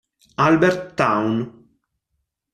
Albert Town